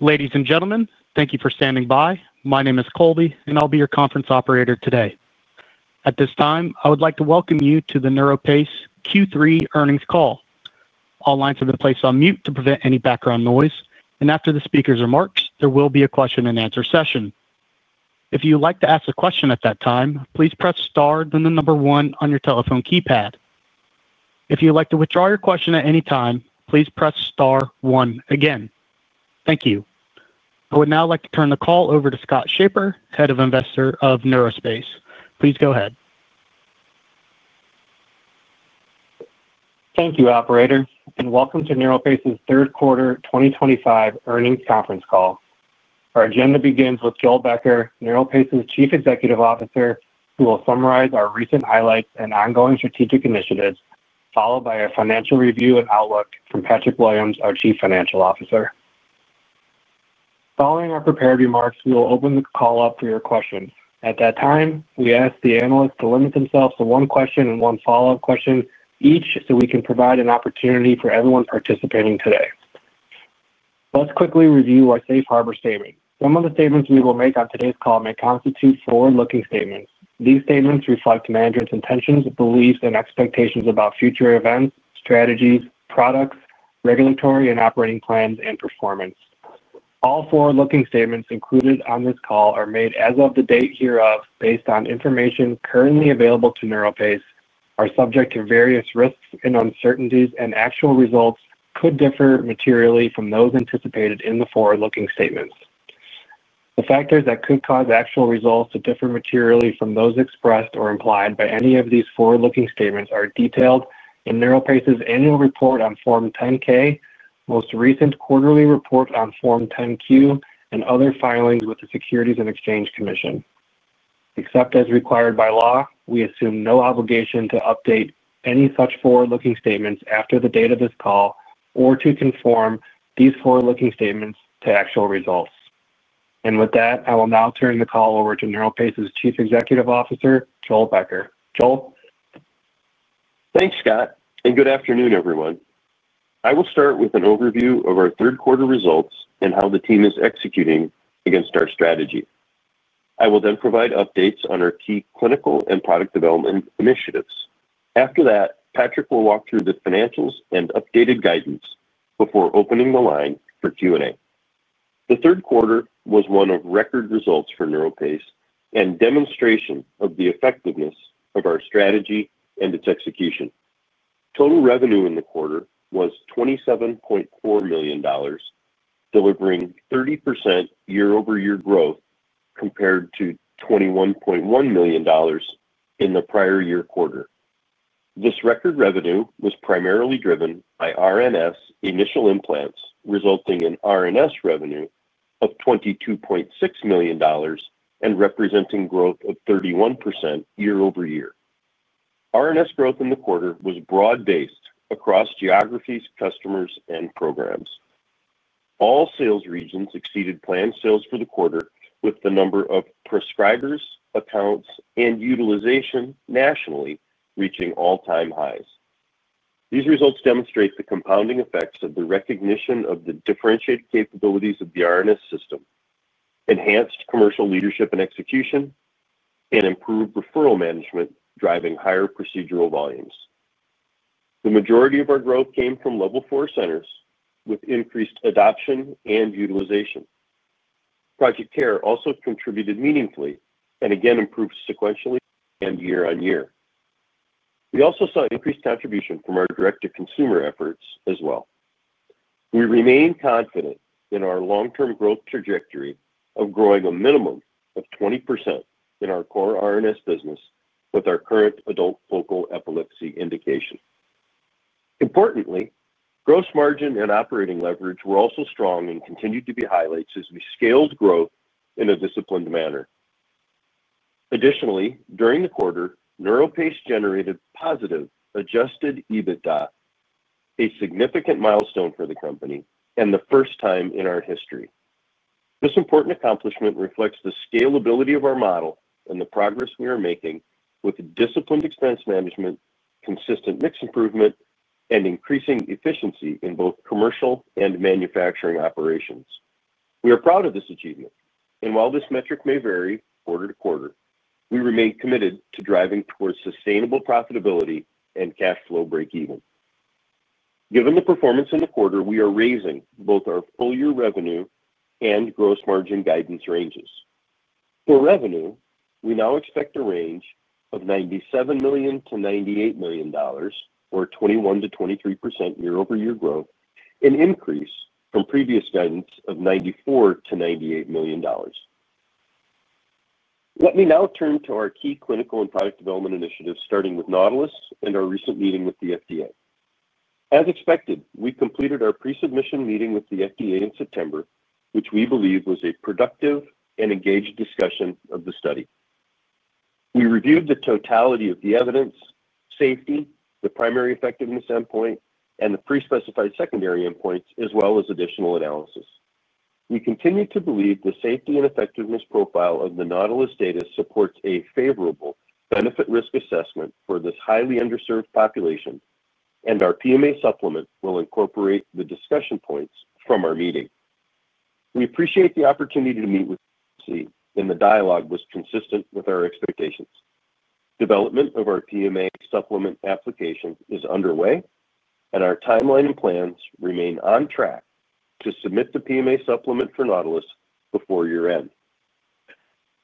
Ladies and gentlemen, thank you for standing by. My name is Colby, and I'll be your conference operator today. At this time, I would like to welcome you to The NeuroPace Q3 Earnings Call. All lines have been placed on mute to prevent any background noise, and after the speaker's remarks, there will be a question-and-answer session. If you would like to ask a question at that time, please press star then the number one on your telephone keypad. If you would like to withdraw your question at any time, please press star one again. Thank you. I would now like to turn the call over to Scott Schaper, Head of Investor Relations of NeuroPace. Please go ahead. Thank you, Operator, and welcome to NeuroPace's third quarter 2025 earnings conference call. Our agenda begins with Joel Becker, NeuroPace's Chief Executive Officer, who will summarize our recent highlights and ongoing strategic initiatives, followed by a financial review and outlook from Patrick Williams, our Chief Financial Officer. Following our prepared remarks, we will open the call up for your questions. At that time, we ask the analysts to limit themselves to one question and one follow-up question each, so we can provide an opportunity for everyone participating today. Let's quickly review our Safe Harbor Statement. Some of the statements we will make on today's call may constitute forward-looking statements. These statements reflect managers' intentions, beliefs, and expectations about future events, strategies, products, regulatory and operating plans, and performance. All forward-looking statements included on this call are made, as of the date hereof, based on information currently available to NeuroPace, are subject to various risks and uncertainties, and actual results could differ materially from those anticipated in the forward-looking statements. The factors that could cause actual results to differ materially from those expressed or implied by any of these forward-looking statements are detailed in NeuroPace's Annual Report on Form 10-K, most recent Quarterly Report on Form 10-Q, and other filings with the Securities and Exchange Commission. Except as required by law, we assume no obligation to update any such forward-looking statements after the date of this call or to conform these forward-looking statements to actual results. And with that, I will now turn the call over to NeuroPace's Chief Executive Officer, Joel Becker. Joel. Thanks, Scott, and good afternoon, everyone. I will start with an overview of our third quarter results and how the team is executing against our strategy. I will then provide updates on our key clinical and product development initiatives. After that, Patrick will walk through the financials and updated guidance before opening the line for Q&A. The third quarter was one of record results for NeuroPace and demonstration of the effectiveness of our strategy and its execution. Total revenue in the quarter was $27.4 million, delivering 30% year-over-year growth compared to $21.1 million in the prior year quarter. This record revenue was primarily driven by RNS initial implants, resulting in RNS revenue of $22.6 million and representing growth of 31% year-over-year. RNS growth in the quarter was broad-based across geographies, customers, and programs. All sales regions exceeded planned sales for the quarter, with the number of prescribers, accounts, and utilization nationally reaching all-time highs. These results demonstrate the compounding effects of the recognition of the differentiated capabilities of the RNS system, enhanced commercial leadership and execution, and improved referral management, driving higher procedural volumes. The majority of our growth came from Level four centers with increased adoption and utilization. Project CARE also contributed meaningfully and again improved sequentially and year-on-year. We also saw increased contribution from our direct-to-consumer efforts as well. We remain confident in our long-term growth trajectory of growing a minimum of 20% in our core RNS business with our current adult focal epilepsy indication. Importantly, gross margin and operating leverage were also strong and continued to be highlights as we scaled growth in a disciplined manner. Additionally, during the quarter, NeuroPace generated positive adjusted EBITDA, a significant milestone for the company and the first time in our history. This important accomplishment reflects the scalability of our model and the progress we are making with disciplined expense management, consistent mix improvement, and increasing efficiency in both commercial and manufacturing operations. We are proud of this achievement, and while this metric may vary quarter to quarter, we remain committed to driving towards sustainable profitability and cash flow break-even. Given the performance in the quarter, we are raising both our full-year revenue and gross margin guidance ranges. For revenue, we now expect a range of $97 million-$98 million, or 21%-23% year-over-year growth, an increase from previous guidance of $94-$98 million. Let me now turn to our key clinical and product development initiatives, starting with NAUTILUS and our recent meeting with the FDA. As expected, we completed our pre-submission meeting with the FDA in September, which we believe was a productive and engaged discussion of the study. We reviewed the totality of the evidence, safety, the primary effectiveness endpoint, and the pre-specified secondary endpoints, as well as additional analysis. We continue to believe the safety and effectiveness profile of the NAUTILUS data supports a favorable benefit-risk assessment for this highly underserved population, and our PMA supplement will incorporate the discussion points from our meeting. We appreciate the opportunity to meet with the agency in the dialogue that was consistent with our expectations. Development of our PMA supplement application is underway, and our timeline and plans remain on track to submit the PMA supplement for NAUTLIUS before year-end.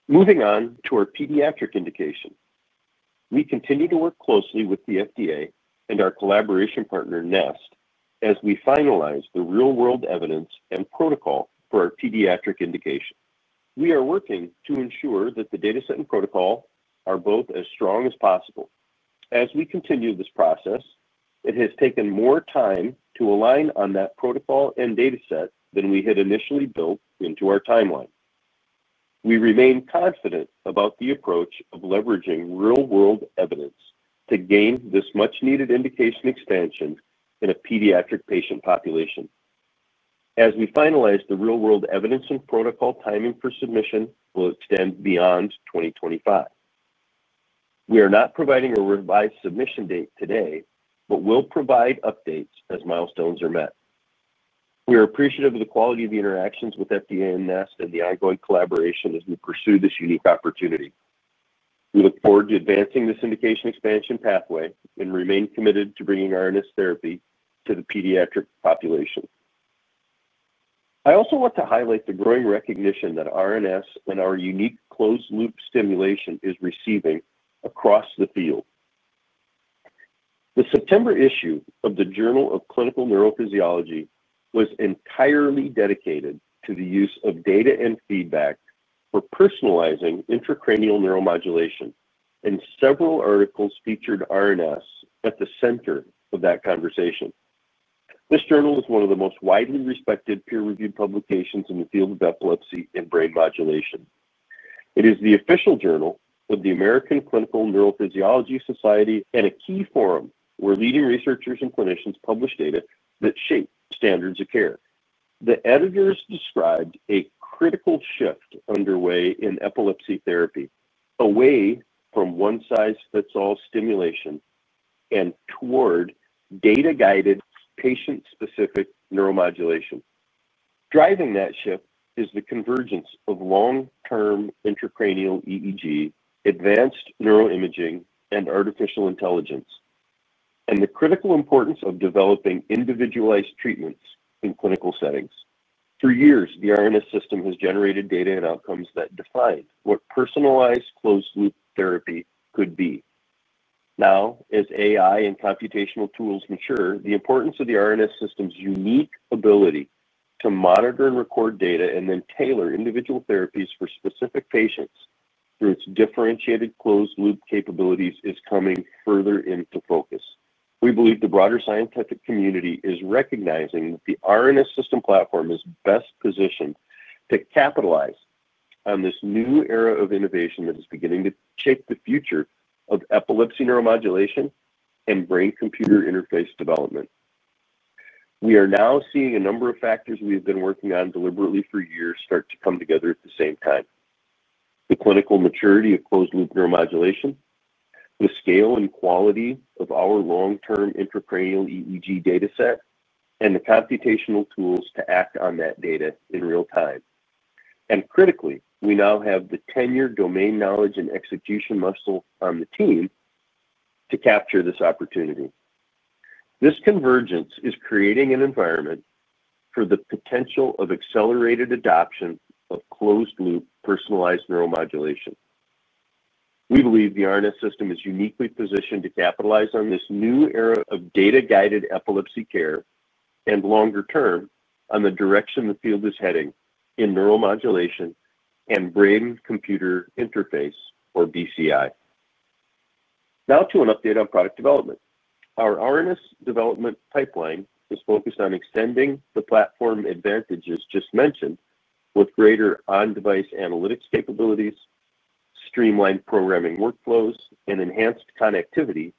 Moving on to our pediatric indication, we continue to work closely with the FDA and our collaboration partner, NEST, as we finalize the real-world evidence and protocol for our pediatric indication. We are working to ensure that the data set and protocol are both as strong as possible. As we continue this process. It has taken more time to align on that protocol and data set than we had initially built into our timeline. We remain confident about the approach of leveraging real-world evidence to gain this much-needed indication expansion in a pediatric patient population. As we finalize the real-world evidence and protocol timing for submission, we'll extend beyond 2025. We are not providing a revised submission date today, but we'll provide updates as milestones are met. We are appreciative of the quality of the interactions with FDA and NEST and the ongoing collaboration as we pursue this unique opportunity. We look forward to advancing this indication expansion pathway and remain committed to bringing RNS therapy to the pediatric population. I also want to highlight the growing recognition that RNS and our unique closed-loop stimulation is receiving across the field. The September issue of the Journal of Clinical Neurophysiology was entirely dedicated to the use of data and feedback for personalizing intracranial neuromodulation, and several articles featured RNS at the center of that conversation. This journal is one of the most widely respected peer-reviewed publications in the field of epilepsy and brain modulation. It is the official journal of the American Clinical Neurophysiology Society and a key forum where leading researchers and clinicians publish data that shape standards of care. The editors described a critical shift underway in epilepsy therapy, away from one-size-fits-all stimulation and toward data-guided, patient-specific neuromodulation. Driving that shift is the convergence of long-term intracranial EEG, advanced neuroimaging, and artificial intelligence. And the critical importance of developing individualized treatments in clinical settings. For years, the RNS system has generated data and outcomes that define what personalized closed-loop therapy could be. Now, as AI and computational tools mature, the importance of the RNS system's unique ability to monitor and record data and then tailor individual therapies for specific patients through its differentiated closed-loop capabilities is coming further into focus. We believe the broader scientific community is recognizing that the RNS system platform is best positioned to capitalize on this new era of innovation that is beginning to shape the future of epilepsy neuromodulation and brain-computer interface development. We are now seeing a number of factors we have been working on deliberately for years start to come together at the same time: the clinical maturity of closed-loop neuromodulation, the scale and quality of our long-term intracranial EEG data set, and the computational tools to act on that data in real time, and critically, we now have the ten-year domain knowledge and execution muscle on the team to capture this opportunity. This convergence is creating an environment for the potential of accelerated adoption of closed-loop personalized neuromodulation. We believe the RNS System is uniquely positioned to capitalize on this new era of data-guided epilepsy care and, longer term, on the direction the field is heading in neuromodulation and brain-computer interface, or BCI. Now to an update on product development. Our RNS development pipeline is focused on extending the platform advantages just mentioned with greater on-device analytics capabilities, streamlined programming workflows, and enhanced connectivity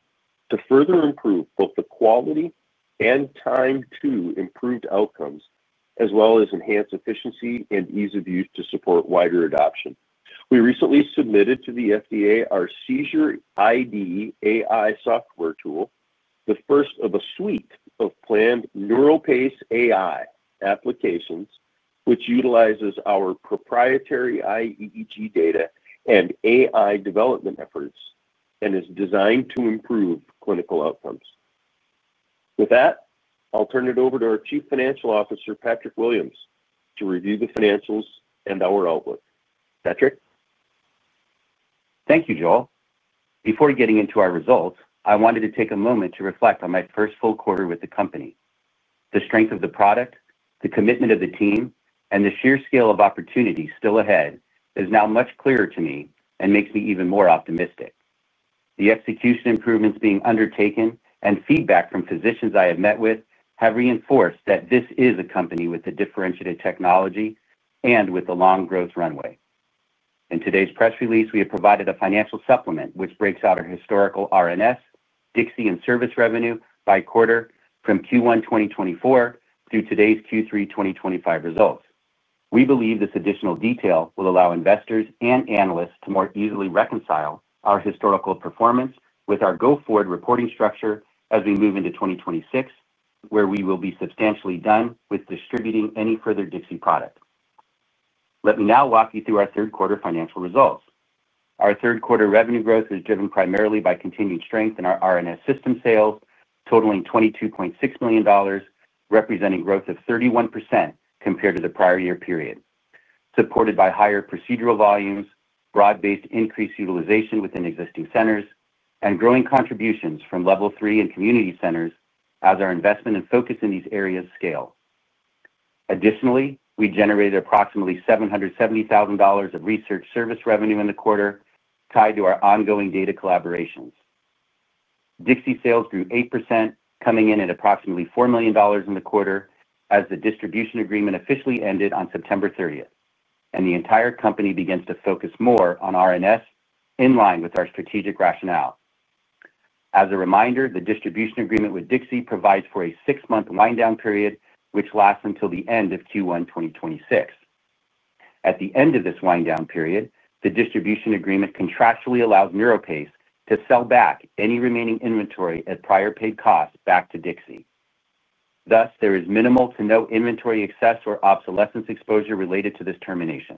to further improve both the quality and time to improved outcomes, as well as enhance efficiency and ease of use to support wider adoption. We recently submitted to the FDA our SeizureID AI software tool, the first of a suite of planned NeuroPace AI applications which utilizes our proprietary EEG data and AI development efforts and is designed to improve clinical outcomes. With that, I'll turn it over to our Chief Financial Officer, Patrick Williams, to review the financials and our outlook. Patrick. Thank you, Joel. Before getting into our results, I wanted to take a moment to reflect on my first full quarter with the company. The strength of the product, the commitment of the team, and the sheer scale of opportunity still ahead is now much clearer to me and makes me even more optimistic. The execution improvements being undertaken and feedback from physicians I have met with have reinforced that this is a company with a differentiated technology and with a long growth runway. In today's press release, we have provided a financial supplement which breaks out our historical RNS, DIXI, and service revenue by quarter from Q1 2024 through today's Q3 2025 results. We believe this additional detail will allow investors and analysts to more easily reconcile our historical performance with our go-forward reporting structure as we move into 2026, where we will be substantially done with distributing any further DIXI product. Let me now walk you through our third quarter financial results. Our third quarter revenue growth is driven primarily by continued strength in our RNS System sales, totaling $22.6 million. Representing growth of 31% compared to the prior year period. Supported by higher procedural volumes, broad-based increased utilization within existing centers, and growing contributions from Level three and community centers as our investment and focus in these areas scale. Additionally, we generated approximately $770,000 of research service revenue in the quarter tied to our ongoing data collaborations. DIXI sales grew 8%, coming in at approximately $4 million in the quarter as the distribution agreement officially ended on September 30th, and the entire company begins to focus more on RNS in line with our strategic rationale. As a reminder, the distribution agreement with DIXI provides for a six-month wind-down period which lasts until the end of Q1 2026. At the end of this wind-down period, the distribution agreement contractually allows NeuroPace to sell back any remaining inventory at prior paid costs back to DIXI. Thus, there is minimal to no inventory excess or obsolescence exposure related to this termination.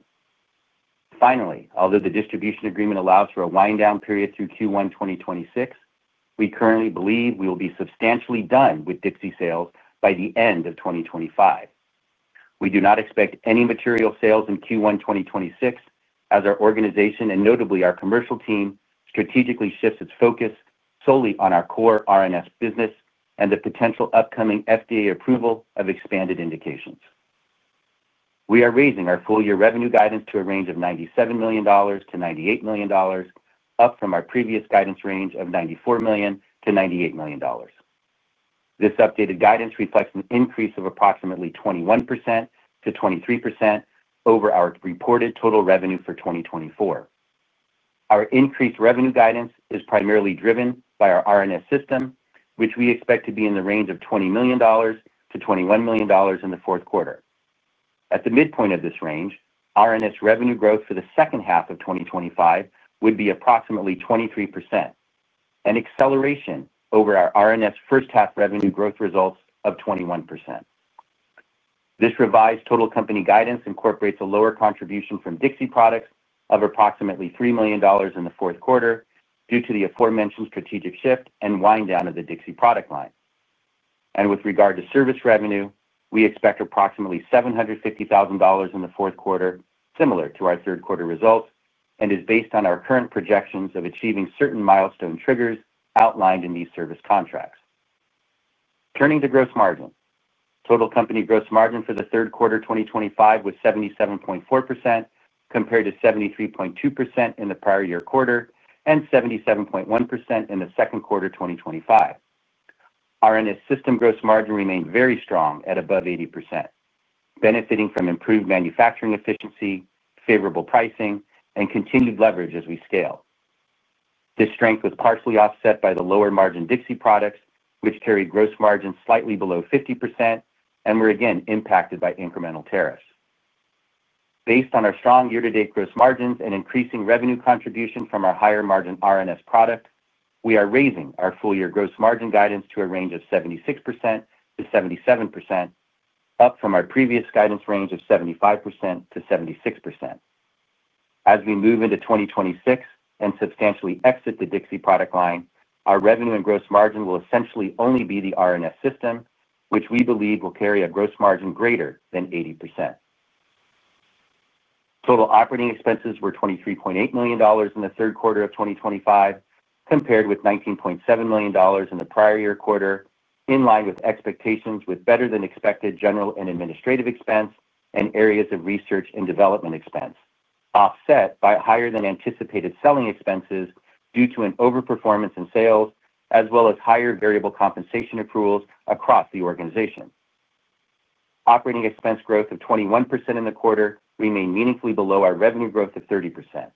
Finally, although the distribution agreement allows for a wind-down period through Q1 2026, we currently believe we will be substantially done with DIXI sales by the end of 2025. We do not expect any material sales in Q1 2026 as our organization and notably our commercial team strategically shifts its focus solely on our core RNS business and the potential upcoming FDA approval of expanded indications. We are raising our full-year revenue guidance to a range of $97 million-$98 million, up from our previous guidance range of $94 million-$98 million. This updated guidance reflects an increase of approximately 21%-23% over our reported total revenue for 2024. Our increased revenue guidance is primarily driven by our RNS System, which we expect to be in the range of $20 million-$21 million in the fourth quarter. At the midpoint of this range, RNS revenue growth for the second half of 2025 would be approximately 23%. An acceleration over our RNS first-half revenue growth results of 21%. This revised total company guidance incorporates a lower contribution from DIXI products of approximately $3 million in the fourth quarter due to the aforementioned strategic shift and wind-down of the DIXI product line. And with regard to service revenue, we expect approximately $750,000 in the fourth quarter, similar to our third-quarter results, and is based on our current projections of achieving certain milestone triggers outlined in these service contracts. Turning to gross margin, total company gross margins for the third quarter 2025 was 77.4% compared to 73.2% in the prior year quarter and 77.1% in the second quarter 2025. RNS system gross margin remained very strong at above 80%, benefiting from improved manufacturing efficiency, favorable pricing, and continued leverage as we scale. This strength was partially offset by the lower margin DIXI products, which carried gross margin slightly below 50% and were again impacted by incremental tariffs. Based on our strong year-to-date gross margins and increasing revenue contribution from our higher-margin RNS product, we are raising our full-year gross margin guidance to a range of 76%-77%. Up from our previous guidance range of 75%-76%. As we move into 2026 and substantially exit the DIXI product line, our revenue and gross margin will essentially only be the RNS system, which we believe will carry a gross margin greater than 80%. Total operating expenses were $23.8 million in the third quarter of 2025 compared with $19.7 million in the prior year quarter, in line with expectations with better-than-expected general and administrative expense and areas of research and development expense, offset by higher-than-anticipated selling expenses due to an overperformance in sales, as well as higher variable compensation accruals across the organization. Operating expense growth of 21% in the quarter remained meaningfully below our revenue growth of 30%.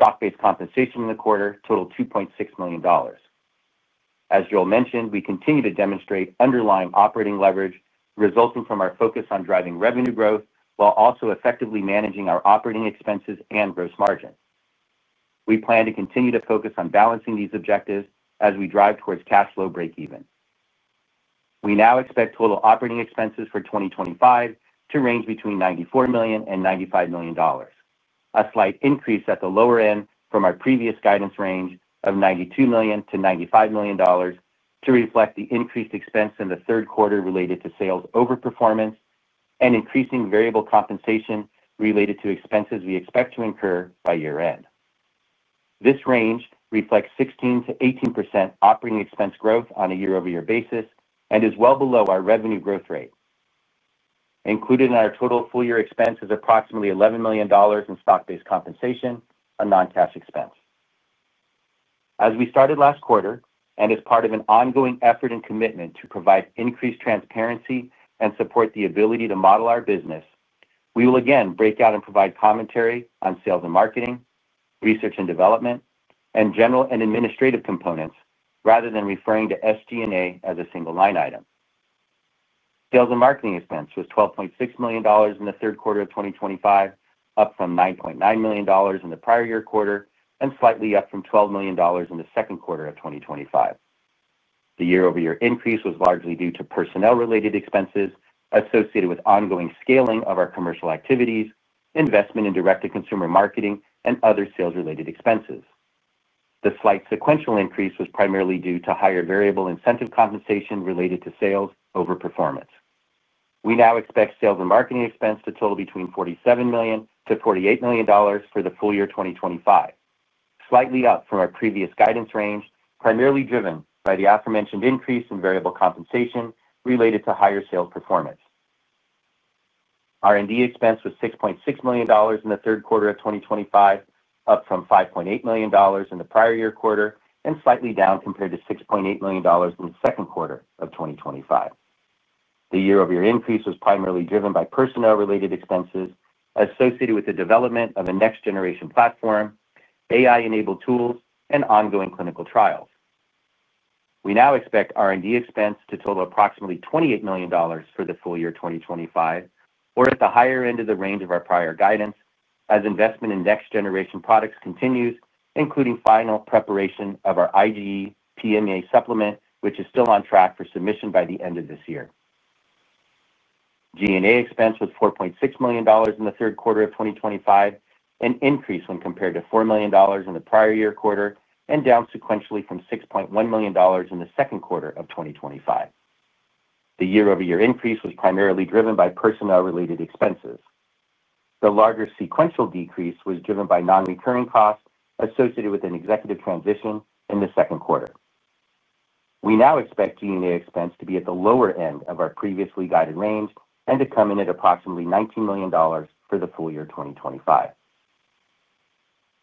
Stock-based compensation in the quarter totaled $2.6 million. As Joel mentioned, we continue to demonstrate underlying operating leverage resulting from our focus on driving revenue growth while also effectively managing our operating expenses and gross margin. We plan to continue to focus on balancing these objectives as we drive towards cash flow break-even. We now expect total operating expenses for 2025 to range between $94 million and $95 million, a slight increase at the lower end from our previous guidance range of $92 million-$95 million, to reflect the increased expense in the third quarter related to sales overperformance and increasing variable compensation related to expenses we expect to incur by year-end. This range reflects 16%-18% operating expense growth on a year-over-year basis and is well below our revenue growth rate. Included in our total full-year expense is approximately $11 million in stock-based compensation, a non-cash expense. As we started last quarter and as part of an ongoing effort and commitment to provide increased transparency and support the ability to model our business, we will again break out and provide commentary on sales and marketing, research and development, and general and administrative components rather than referring to SG&A as a single line item. Sales and marketing expense was $12.6 million in the third quarter of 2025, up from $9.9 million in the prior year quarter and slightly up from $12 million in the second quarter of 2025. The year-over-year increase was largely due to personnel-related expenses associated with ongoing scaling of our commercial activities, investment in direct-to-consumer marketing, and other sales-related expenses. The slight sequential increase was primarily due to higher variable incentive compensation related to sales overperformance. We now expect sales and marketing expense to total between $47-$48 million for the full year 2025, slightly up from our previous guidance range, primarily driven by the aforementioned increase in variable compensation related to higher sales performance. R&D expense was $6.6 million in the third quarter of 2025, up from $5.8 million in the prior year quarter and slightly down compared to $6.8 million in the second quarter of 2025. The year-over-year increase was primarily driven by personnel-related expenses associated with the development of a next-generation platform, AI-enabled tools, and ongoing clinical trials. We now expect R&D expense to total approximately $28 million for the full year 2025, or at the higher end of the range of our prior guidance, as investment in next-generation products continues, including final preparation of our IGE PMA supplement, which is still on track for submission by the end of this year. G&A expense was $4.6 million in the third quarter of 2025, an increase when compared to $4 million in the prior year quarter and down sequentially from $6.1 million in the second quarter of 2025. The year-over-year increase was primarily driven by personnel-related expenses. The larger sequential decrease was driven by non-recurring costs associated with an executive transition in the second quarter. We now expect G&A expense to be at the lower end of our previously guided range and to come in at approximately $19 million for the full year 2025.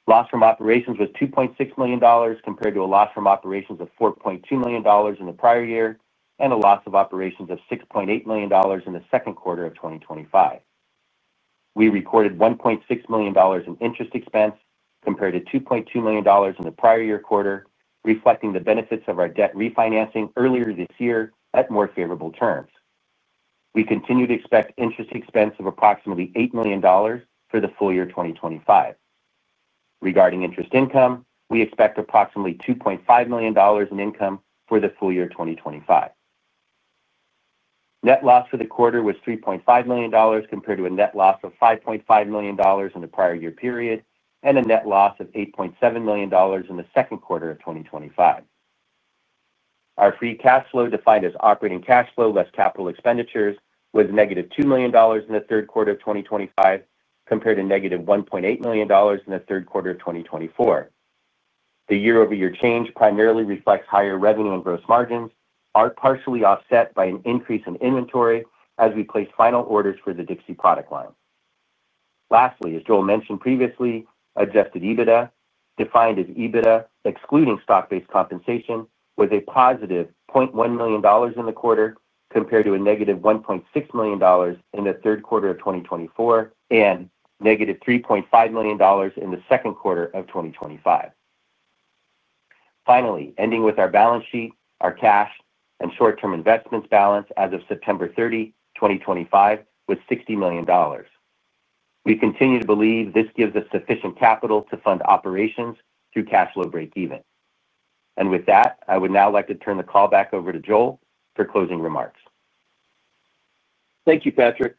Loss from operations was $2.6 million compared to a loss from operations of $4.2 million in the prior year and a loss from operations of $6.8 million in the second quarter of 2025. We recorded $1.6 million in interest expense compared to $2.2 million in the prior year quarter, reflecting the benefits of our debt refinancing earlier this year at more favorable terms. We continue to expect interest expense of approximately $8 million for the full year 2025. Regarding interest income, we expect approximately $2.5 million in income for the full year 2025. Net loss for the quarter was $3.5 million compared to a net loss of $5.5 million in the prior year period and a net loss of $8.7 million in the second quarter of 2025. Our free cash flow, defined as operating cash flow less capital expenditures, was negative $2 million in the third quarter of 2025 compared to negative $1.8 million in the third quarter of 2024. The year-over-year change primarily reflects higher revenue and gross margins, partially offset by an increase in inventory as we place final orders for the DIXI product line. Lastly, as Joel mentioned previously, adjusted EBITDA, defined as EBITDA excluding stock-based compensation, was a positive $0.1 million in the quarter compared to a negative $1.6 million in the third quarter of 2024 and negative $3.5 million in the second quarter of 2025. Finally, ending with our balance sheet, our cash and short-term investments balance as of September 30, 2025, was $60 million. We continue to believe this gives us sufficient capital to fund operations through cash flow break-even. And with that, I would now like to turn the call back over to Joel for closing remarks. Thank you, Patrick.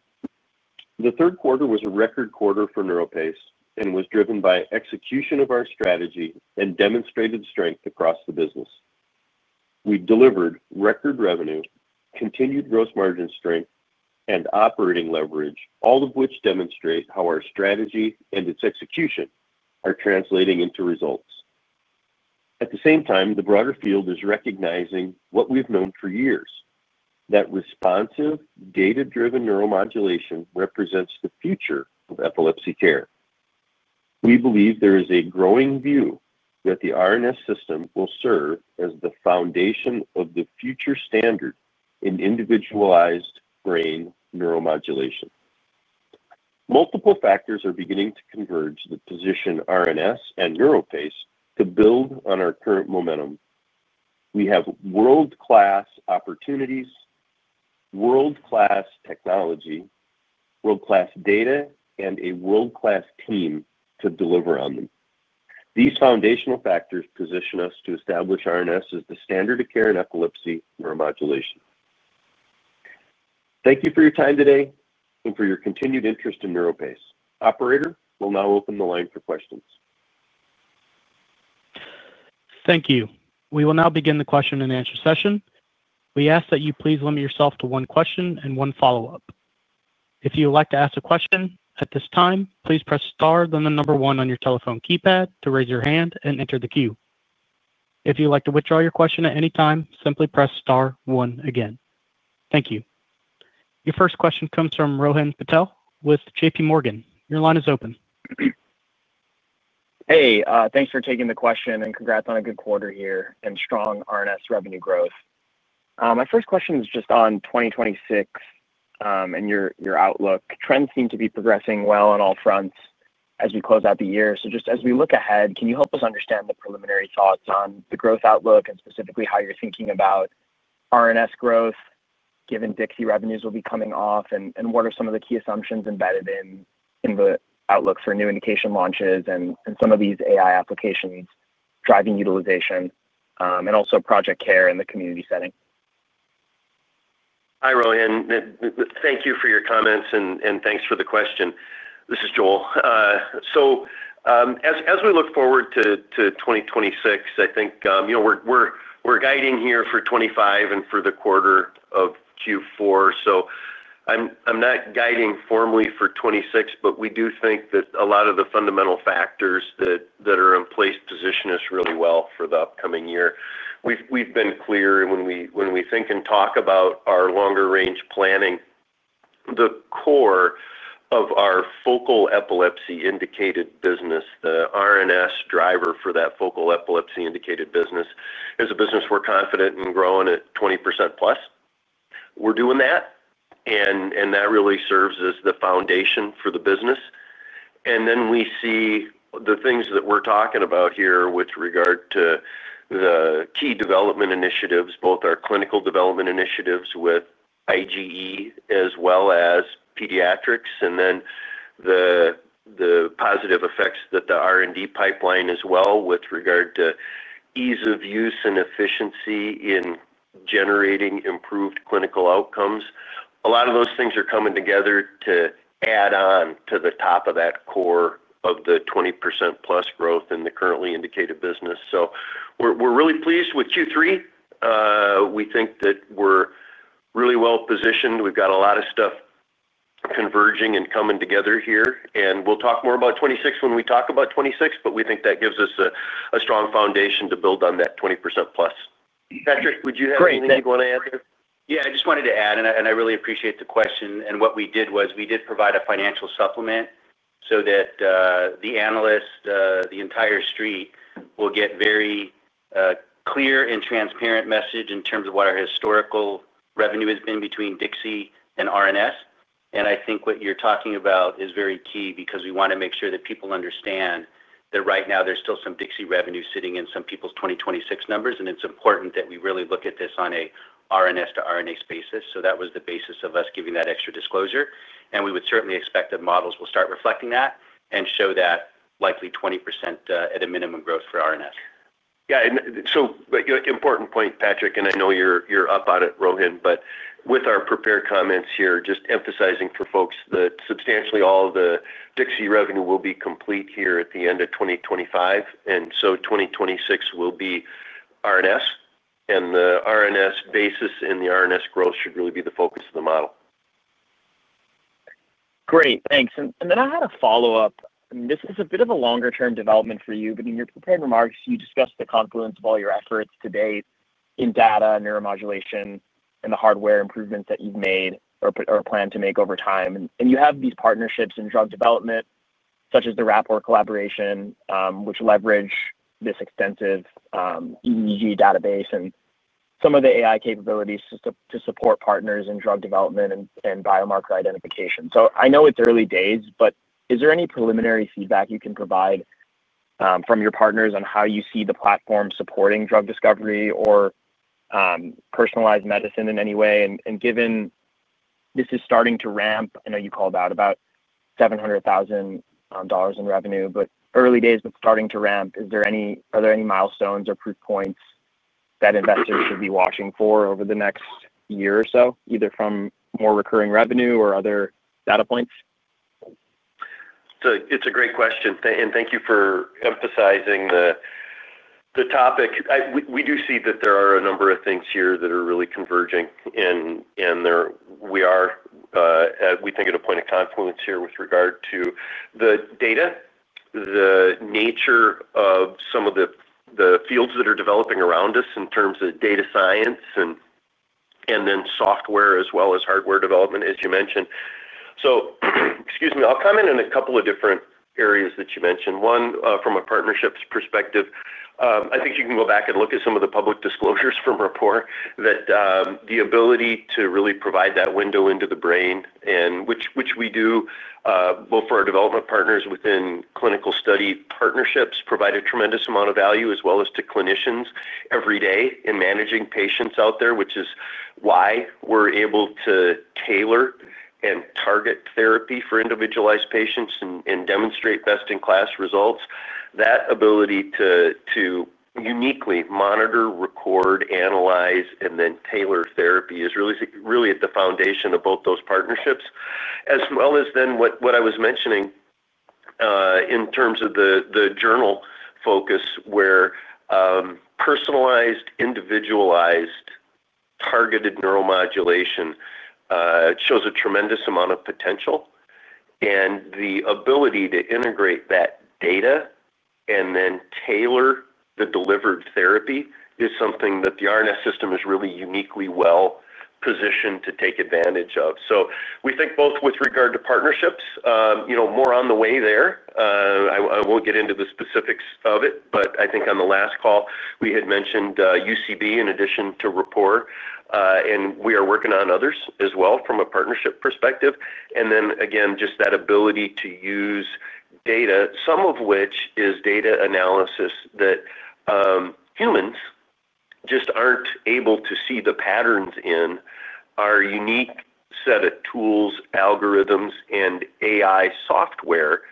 The third quarter was a record quarter for NeuroPace and was driven by execution of our strategy and demonstrated strength across the business. We delivered record revenue, continued gross margin strength, and operating leverage, all of which demonstrate how our strategy and its execution are translating into results. At the same time, the broader field is recognizing what we've known for years, that responsive, data-driven neuromodulation represents the future of epilepsy care. We believe there is a growing view that the RNS System will serve as the foundation of the future standard in individualized brain neuromodulation. Multiple factors are beginning to converge to position RNS and NeuroPace to build on our current momentum. We have world-class opportunities. World-class technology, world-class data, and a world-class team to deliver on them. These foundational factors position us to establish RNS as the standard of care in epilepsy neuromodulation. Thank you for your time today and for your continued interest in NeuroPace. Operator will now open the line for questions. Thank you. We will now begin the question and answer session. We ask that you please limit yourself to one question and one follow-up. If you would like to ask a question at this time, please press star then the number one on your telephone keypad to raise your hand and enter the queue. If you'd like to withdraw your question at any time, simply press star one again. Thank you. Your first question comes from Rohan Patel with JPMorgan. Your line is open. Hey, thanks for taking the question and congrats on a good quarter here and strong RNS revenue growth. My first question is just on 2026. And your outlook. Trends seem to be progressing well on all fronts as we close out the year. So just as we look ahead, can you help us understand the preliminary thoughts on the growth outlook and specifically how you're thinking about. RNS growth, given DIXI revenues will be coming off, and what are some of the key assumptions embedded in the outlook for new indication launches and some of these AI applications driving utilization and also Project CARE in the community setting? Hi, Rohan. Thank you for your comments and thanks for the question. This is Joel. So. As we look forward to 2026, I think. We're guiding here for 2025 and for the quarter of Q4. So I'm not guiding formally for 2026, but we do think that a lot of the fundamental factors that are in place position us really well for the upcoming year. We've been clear, and when we think and talk about our longer-range planning. The core of our focal epilepsy indicated business, the RNS driver for that focal epilepsy indicated business, is a business we're confident in growing at 20% plus. We're doing that. And that really serves as the foundation for the business. And then we see the things that we're talking about here with regard to. The key development initiatives, both our clinical development initiatives with IGE as well as pediatrics, and then the. Positive effects that the R&D pipeline as well with regard to ease of use and efficiency in generating improved clinical outcomes. A lot of those things are coming together to add on to the top of that core of the 20% plus growth in the currently indicated business. So we're really pleased with Q3. We think that we're really well positioned. We've got a lot of stuff. Converging and coming together here. And we'll talk more about 2026 when we talk about 2026, but we think that gives us a strong foundation to build on that 20% plus. Patrick, would you have anything you'd want to add there? Yeah, I just wanted to add, and I really appreciate the question. And what we did was we did provide a financial supplement so that the analyst, the entire street, will get a very clear and transparent message in terms of what our historical revenue has been between DIXI and RNS. And I think what you're talking about is very key because we want to make sure that people understand that right now there's still some DIXI revenue sitting in some people's 2026 numbers, and it's important that we really look at this on an RNS to RNS basis. So that was the basis of us giving that extra disclosure. And we would certainly expect that models will start reflecting that and show that likely 20% at a minimum growth for RNS. Yeah. And so important point, Patrick, and I know you're up on it, Rohan, but with our prepared comments here, just emphasizing for folks that substantially all the DIXI revenue will be complete here at the end of 2025. And so 2026 will be RNS, and the RNS basis and the RNS growth should really be the focus of the model. Great. Thanks. And then I had a follow-up. This is a bit of a longer-term development for you, but in your prepared remarks, you discussed the confluence of all your efforts to date in data and neuromodulation and the hardware improvements that you've made or plan to make over time. And you have these partnerships in drug development, such as the Rapport collaboration, which leverage this extensive EEG database and some of the AI capabilities to support partners in drug development and biomarker identification. So I know it's early days, but is there any preliminary feedback you can provide from your partners on how you see the platform supporting drug discovery or personalized medicine in any way? And given this is starting to ramp, I know you called out about $700,000 in revenue, but early days, but starting to ramp, are there any milestones or proof points that investors should be watching for over the next year or so, either from more recurring revenue or other data points? It's a great question. And thank you for emphasizing the topic. We do see that there are a number of things here that are really converging. And we are, we think, at a point of confluence here with regard to the data, the nature of some of the fields that are developing around us in terms of data science and then software as well as hardware development, as you mentioned. So excuse me, I'll comment on a couple of different areas that you mentioned. One, from a partnerships perspective, I think you can go back and look at some of the public disclosures from Rapport that the ability to really provide that window into the brain, which we do both for our development partners within clinical study partnerships, provide a tremendous amount of value as well as to clinicians every day in managing patients out there, which is why we're able to tailor and target therapy for individualized patients and demonstrate best-in-class results. That ability to uniquely monitor, record, analyze, and then tailor therapy is really at the foundation of both those partnerships, as well as then what I was mentioning in terms of the journal focus, where personalized, individualized targeted neuromodulation shows a tremendous amount of potential. And the ability to integrate that data and then tailor the delivered therapy is something that the RNS System is really uniquely well-positioned to take advantage of. So we think both with regard to partnerships, more on the way there. I won't get into the specifics of it, but I think on the last call, we had mentioned UCB in addition to Rapport. And we are working on others as well from a partnership perspective. And then, again, just that ability to use data, some of which is data analysis that humans just aren't able to see the patterns in. Our unique set of tools, algorithms, and AI software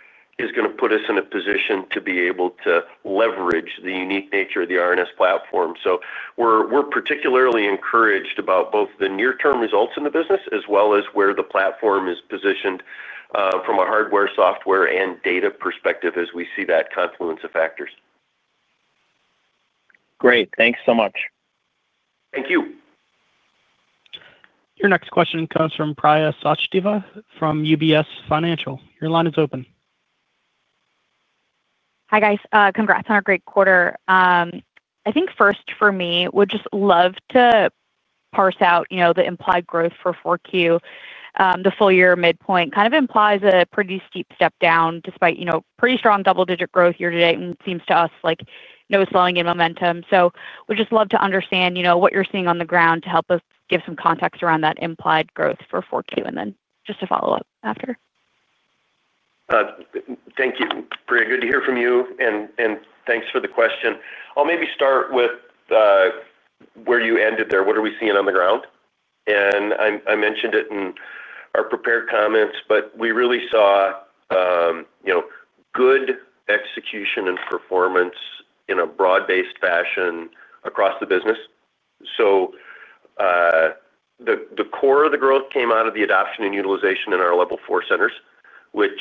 is going to put us in a position to be able to leverage the unique nature of the RNS platform. So we're particularly encouraged about both the near-term results in the business as well as where the platform is positioned from a hardware, software, and data perspective as we see that confluence of factors. Great. Thanks so much. Thank you. Your next question comes from Priya Sachdeva from UBS. Your line is open. Hi, guys. Congrats on a great quarter. I think first for me, we'd just love to parse out the implied growth for 4Q. The full year midpoint kind of implies a pretty steep step down despite pretty strong double-digit growth year to date. Seems to us like no slowing in momentum. So we'd just love to understand what you're seeing on the ground to help us give some context around that implied growth for 4Q and then just to follow up after. Thank you. Priya, good to hear from you. And thanks for the question. I'll maybe start with where you ended there. What are we seeing on the ground? And I mentioned it in our prepared comments, but we really saw good execution and performance in a broad-based fashion across the business. So the core of the growth came out of the adoption and utilization in our Level four centers, which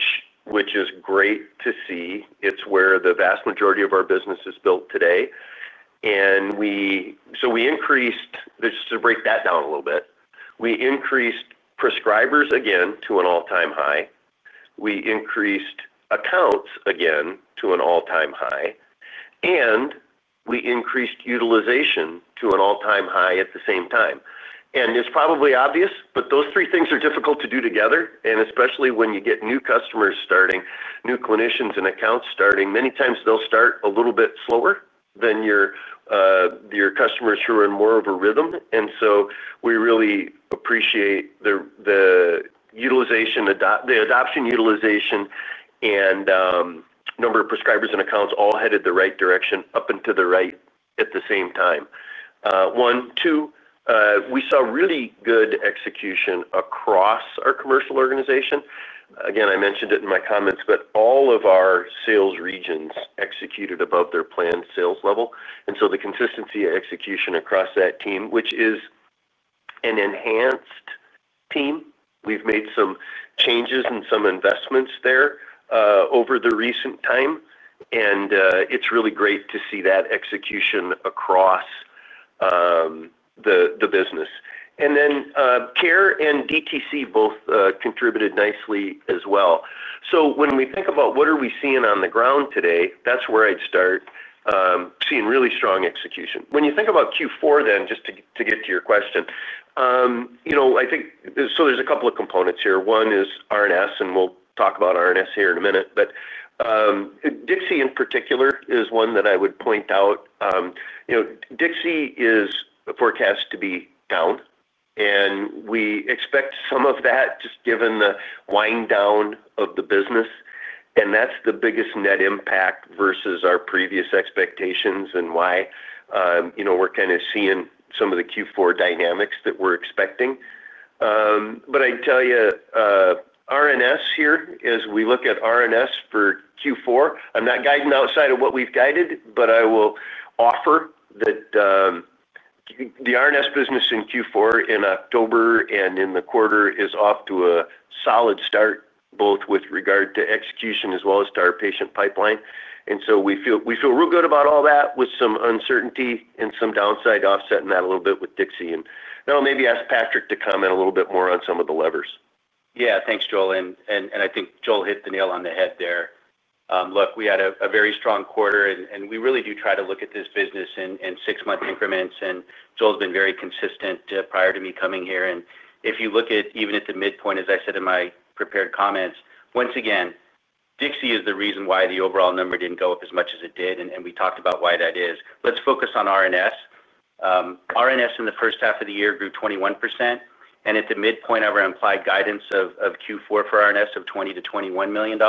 is great to see. It's where the vast majority of our business is built today. And so we increased, just to break that down a little bit, we increased prescribers again to an all-time high. We increased accounts again to an all-time high. And we increased utilization to an all-time high at the same time. And it's probably obvious, but those three things are difficult to do together, and especially when you get new customers starting, new clinicians and accounts starting. Many times, they'll start a little bit slower than your customers who are in more of a rhythm. And so we really appreciate the adoption, utilization, and number of prescribers and accounts all headed the right direction up and to the right at the same time. One, two, we saw really good execution across our commercial organization. Again, I mentioned it in my comments, but all of our sales regions executed above their planned sales level. And so the consistency of execution across that team, which is an enhanced team, we've made some changes and some investments there over the recent time. And it's really great to see that execution across the business. And then care and DTC both contributed nicely as well. So when we think about what are we seeing on the ground today, that's where I'd start. Seeing really strong execution. When you think about Q4, then, just to get to your question. I think so there's a couple of components here. One is RNS, and we'll talk about RNS here in a minute. But DIXI, in particular, is one that I would point out. DIXI is forecast to be down. And we expect some of that just given the wind down of the business. And that's the biggest net impact versus our previous expectations and why. We're kind of seeing some of the Q4 dynamics that we're expecting. But I'd tell you. RNS here, as we look at RNS for Q4, I'm not guiding outside of what we've guided, but I will offer that. The RNS business in Q4 in October and in the quarter is off to a solid start, both with regard to execution as well as to our patient pipeline. And so we feel real good about all that with some uncertainty and some downside offsetting that a little bit with DIXI. And I'll maybe ask Patrick to comment a little bit more on some of the levers. Yeah. Thanks, Joel. And I think Joel hit the nail on the head there. Look, we had a very strong quarter, and we really do try to look at this business in six-month increments. And Joel's been very consistent prior to me coming here. And if you look at even at the midpoint, as I said in my prepared comments, once again, DIXI is the reason why the overall number didn't go up as much as it did. And we talked about why that is. Let's focus on RNS. RNS in the first half of the year grew 21%. And at the midpoint of our implied guidance of Q4 for RNS of $20-$21 million,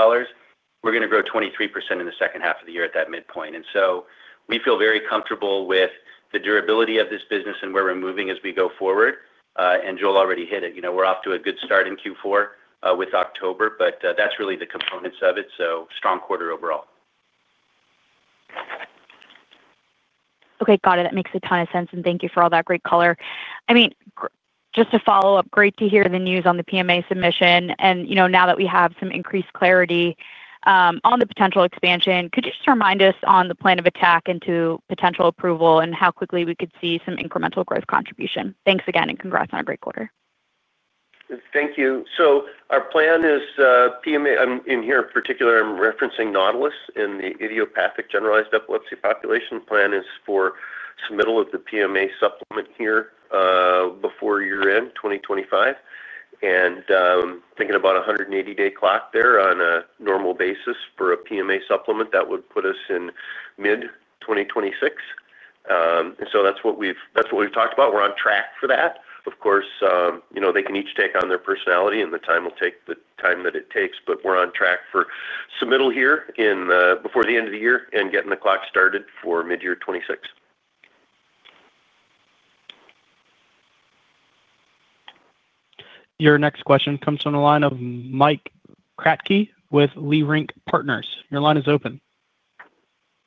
we're going to grow 23% in the second half of the year at that midpoint. And so we feel very comfortable with the durability of this business and where we're moving as we go forward. And Joel already hit it. We're off to a good start in Q4 with October, but that's really the components of it. So strong quarter overall. Okay. Got it. That makes a ton of sense. And thank you for all that great color. I mean, just to follow up, great to hear the news on the PMA submission. And now that we have some increased clarity. On the potential expansion, could you just remind us on the plan of attack into potential approval and how quickly we could see some incremental growth contribution? Thanks again, and congrats on a great quarter. Thank you. So our plan is. In here in particular, I'm referencing NAUTILUS in the idiopathic generalized epilepsy population. The plan is for submittal of the PMA supplement here. Before year-end 2025. And thinking about a 180-day clock there on a normal basis for a PMA supplement, that would put us in mid-2026. And so that's what we've talked about. We're on track for that. Of course, they can each take on their personality, and the time will take the time that it takes. But we're on track for submittal here before the end of the year and getting the clock started for mid-year 2026. Your next question comes from the line of Mike Kratky with Leerink Partners. Your line is open.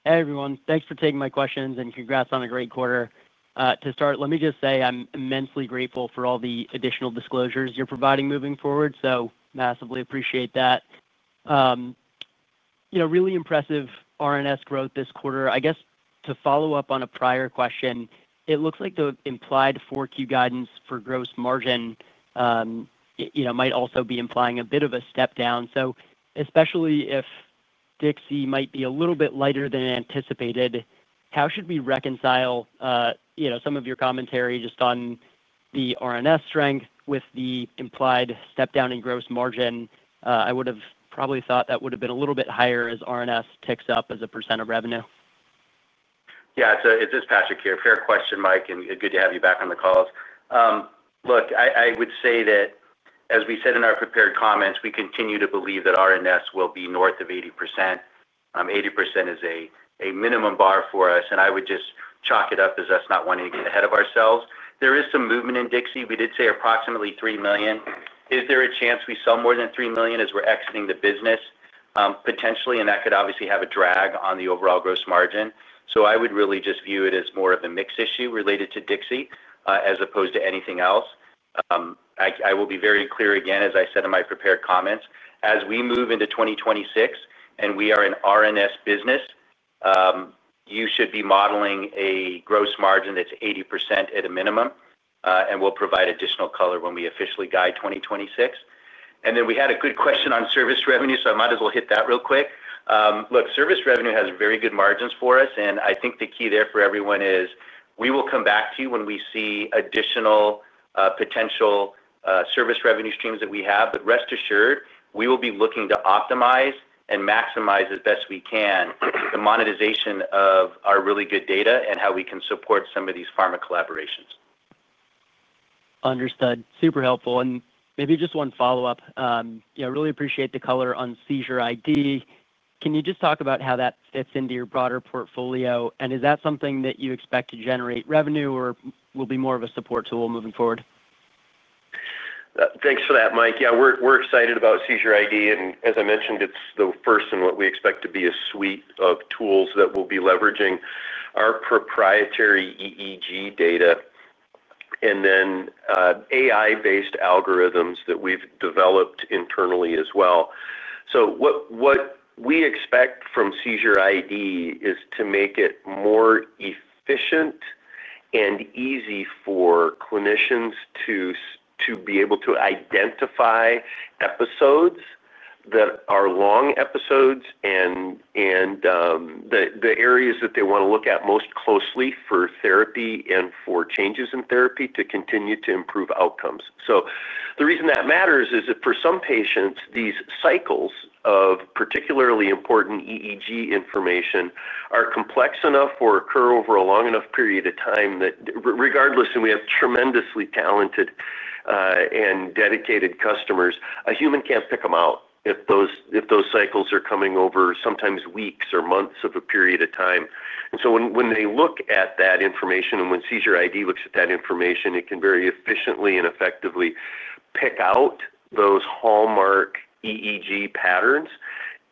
Hey, everyone. Thanks for taking my questions, and congrats on a great quarter. To start, let me just say I'm immensely grateful for all the additional disclosures you're providing moving forward. So massively appreciate that. Really impressive RNS growth this quarter. I guess to follow up on a prior question, it looks like the implied Q4 guidance for gross margin might also be implying a bit of a step down. So especially if DIXI might be a little bit lighter than anticipated, how should we reconcile some of your commentary just on the RNS strength with the implied step down in gross margin? I would have probably thought that would have been a little bit higher as RNS ticks up as a percent of revenue. Yeah. It's us, Patrick here. Fair question, Mike. And good to have you back on the call. Look, I would say that, as we said in our prepared comments, we continue to believe that RNS will be north of 80%. 80% is a minimum bar for us. And I would just chalk it up as us not wanting to get ahead of ourselves. There is some movement in DIXI. We did say approximately $3 million. Is there a chance we sell more than $3 million as we're exiting the business? Potentially. And that could obviously have a drag on the overall gross margin. So I would really just view it as more of a mixed issue related to DIXI as opposed to anything else. I will be very clear again, as I said in my prepared comments. As we move into 2026 and we are an RNS business. You should be modeling a gross margin that's 80% at a minimum. And we'll provide additional color when we officially guide 2026. And then we had a good question on service revenue, so I might as well hit that real quick. Look, service revenue has very good margins for us. And I think the key there for everyone is we will come back to you when we see additional potential service revenue streams that we have. But rest assured, we will be looking to optimize and maximize as best we can the monetization of our really good data and how we can support some of these pharma collaborations. Understood. Super helpful. And maybe just one follow-up. I really appreciate the color on SeizureID. Can you just talk about how that fits into your broader portfolio? And is that something that you expect to generate revenue or will be more of a support tool moving forward? Thanks for that, Mike. Yeah, we're excited about SeizureID. And as I mentioned, it's the first in what we expect to be a suite of tools that we'll be leveraging our proprietary EEG data. And then AI-based algorithms that we've developed internally as well. So what we expect from SeizureID is to make it more efficient and easy for clinicians to be able to identify episodes that are long episodes and. The areas that they want to look at most closely for therapy and for changes in therapy to continue to improve outcomes. So the reason that matters is that for some patients, these cycles of particularly important EEG information are complex enough or occur over a long enough period of time that regardless, and we have tremendously talented. And dedicated customers, a human can't pick them out if those cycles are coming over sometimes weeks or months of a period of time. And so when they look at that information and when SeizureID looks at that information, it can very efficiently and effectively pick out those hallmark EEG patterns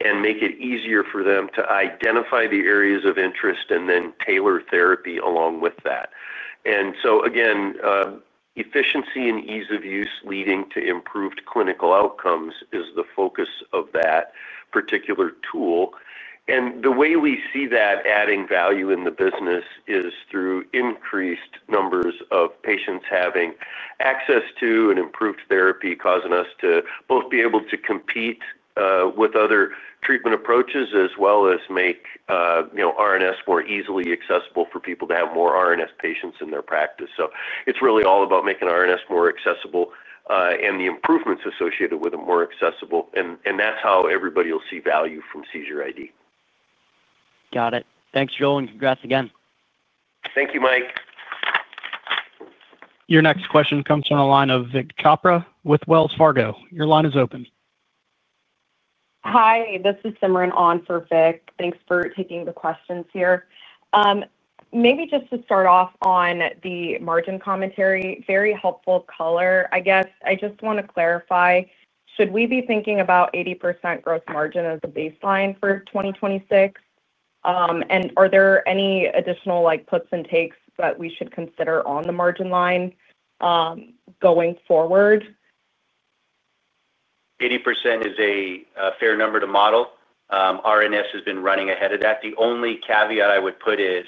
and make it easier for them to identify the areas of interest and then tailor therapy along with that. And so, again. Efficiency and ease of use leading to improved clinical outcomes is the focus of that particular tool. And the way we see that adding value in the business is through increased numbers of patients having access to an improved therapy, causing us to both be able to compete with other treatment approaches as well as make RNS more easily accessible for people to have more RNS patients in their practice. So it's really all about making RNS more accessible and the improvements associated with it more accessible. And that's how everybody will see value from SeizureID. Got it. Thanks, Joel. And congrats again. Thank you, Mike. Your next question comes from the line of Vik Chopra with Wells Fargo. Your line is open. Hi. This is Simran on for Vik. Thanks for taking the questions here. Maybe just to start off on the margin commentary, very helpful color. I guess I just want to clarify, should we be thinking about 80% gross margin as a baseline for 2026? And are there any additional puts and takes that we should consider on the margin line. Going forward? 80% is a fair number to model. RNS has been running ahead of that. The only caveat I would put is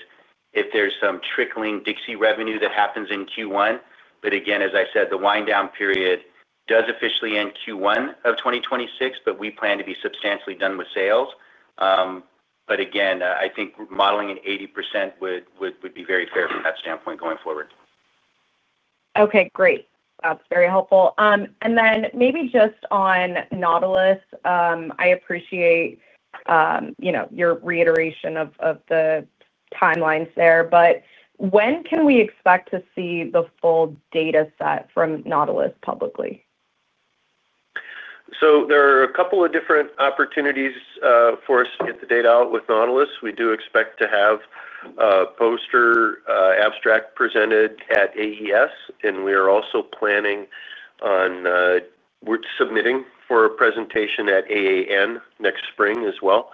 if there's some trickling DIXI revenue that happens in Q1. But again, as I said, the wind down period does officially end Q1 of 2026, but we plan to be substantially done with sales. But again, I think modeling at 80% would be very fair from that standpoint going forward. Okay. Great. That's very helpful. And then maybe just on NAUTILUS, I appreciate. Your reiteration of the. Timelines there. But when can we expect to see the full data set from Nautilus publicly? So there are a couple of different opportunities for us to get the data out with NAUTILUS. We do expect to have. A poster abstract presented at AES. And we are also planning on. Submitting for a presentation at AAN next spring as well.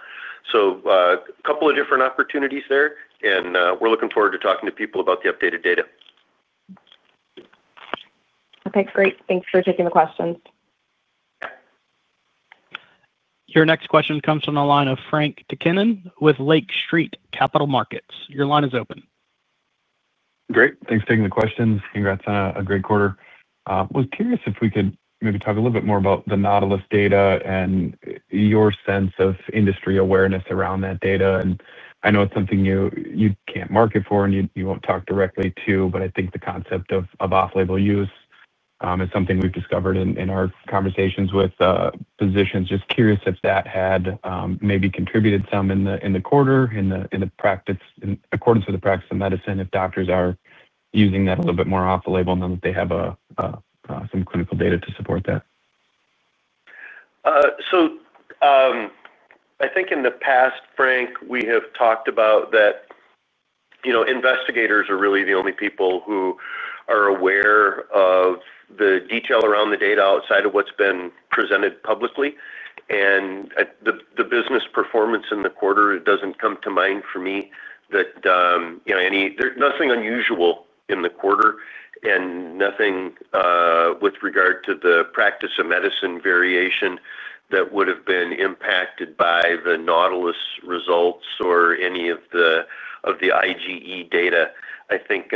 So a couple of different opportunities there. And we're looking forward to talking to people about the updated data. Okay. Great. Thanks for taking the questions. Your next question comes from the line of Frank Takkinen with Lake Street Capital Markets. Your line is open. Great. Thanks for taking the questions. Congrats on a great quarter. I was curious if we could maybe talk a little bit more about the NAUTILUS data and your sense of industry awareness around that data. And I know it's something you can't market for and you won't talk directly to, but I think the concept of off-label use is something we've discovered in our conversations with physicians. Just curious if that had maybe contributed some in the quarter, in the practice, in accordance with the practice of medicine, if doctors are using that a little bit more off-label now that they have some clinical data to support that. So. I think in the past, Frank, we have talked about that. Investigators are really the only people who are aware of the detail around the data outside of what's been presented publicly. And the business performance in the quarter doesn't come to mind for me that there's nothing unusual in the quarter and nothing with regard to the practice of medicine variation that would have been impacted by the NAUTILUS results or any of the IGE data. I think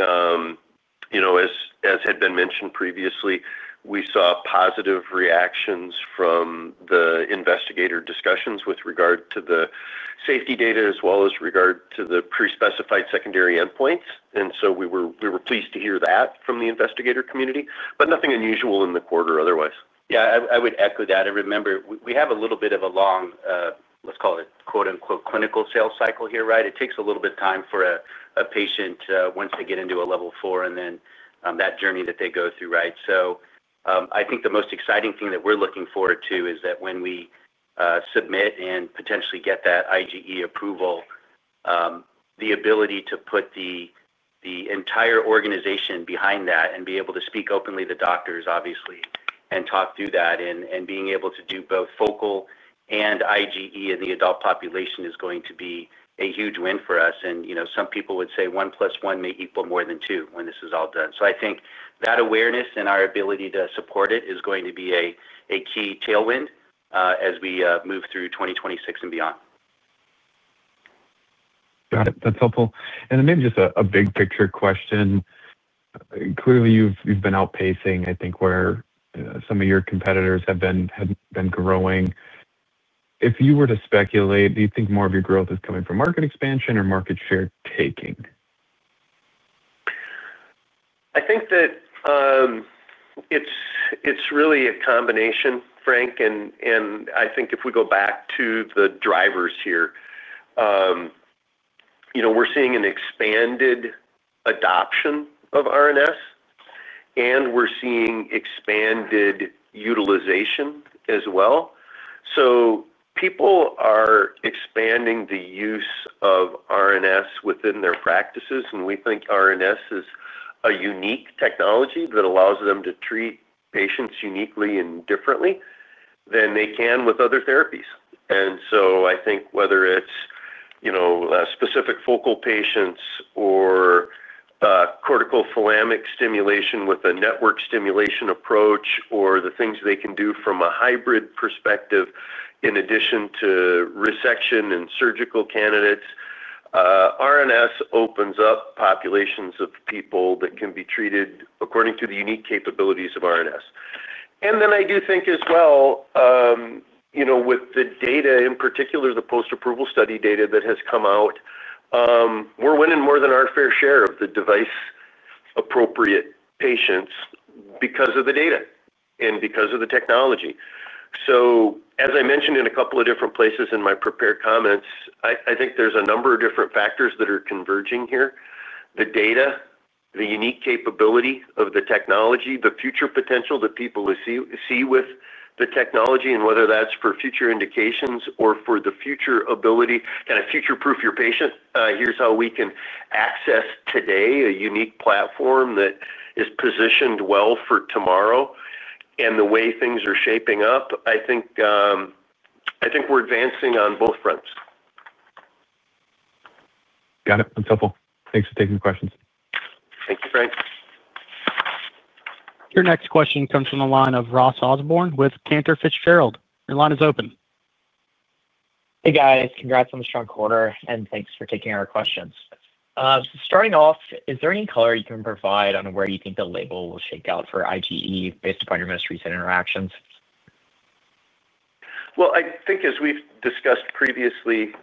as had been mentioned previously, we saw positive reactions from the investigator discussions with regard to the safety data as well as regard to the pre-specified secondary endpoints. And so we were pleased to hear that from the investigator community, but nothing unusual in the quarter otherwise. Yeah. I would echo that. I remember we have a little bit of a long, let's call it "clinical sales cycle" here, right? It takes a little bit of time for a patient once they get into a level four and then that journey that they go through, right? So I think the most exciting thing that we're looking forward to is that when we submit and potentially get that IGE approval, the ability to put the entire organization behind that and be able to speak openly to doctors, obviously, and talk through that and being able to do both focal and IGE in the adult population is going to be a huge win for us. And some people would say one plus one may equal more than two when this is all done. So I think that awareness and our ability to support it is going to be a key tailwind as we move through 2026 and beyond. Got it. That's helpful. And then maybe just a big picture question. Clearly, you've been outpacing, I think, where some of your competitors have been growing. If you were to speculate, do you think more of your growth is coming from market expansion or market share taking? I think that it's really a combination, Frank, and I think if we go back to the drivers here. We're seeing an expanded adoption of RNS. And we're seeing expanded utilization as well. So people are expanding the use of RNS within their practices. And we think RNS is a unique technology that allows them to treat patients uniquely and differently than they can with other therapies. And so I think whether it's specific focal patients or cortical thalamic stimulation with a network stimulation approach or the things they can do from a hybrid perspective in addition to resection and surgical candidates, RNS opens up populations of people that can be treated according to the unique capabilities of RNS. And then I do think as well with the data in particular, the post-approval study data that has come out. We're winning more than our fair share of the device-appropriate patients because of the data and because of the technology. So as I mentioned in a couple of different places in my prepared comments, I think there's a number of different factors that are converging here: the data, the unique capability of the technology, the future potential that people see with the technology, and whether that's for future indications or for the future ability to kind of future-proof your patient. Here's how we can access today a unique platform that is positioned well for tomorrow and the way things are shaping up. I think we're advancing on both fronts. Got it. That's helpful. Thanks for taking the questions. Thank you, Frank. Your next question comes from the line of Ross Osborn with Cantor Fitzgerald. Your line is open. Hey, guys. Congrats on the strong quarter, and thanks for taking our questions. Starting off, is there any color you can provide on where you think the label will shake out for IGE based upon your most recent interactions? Well, I think as we've discussed previously